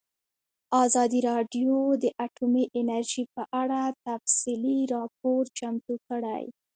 ازادي راډیو د اټومي انرژي په اړه تفصیلي راپور چمتو کړی.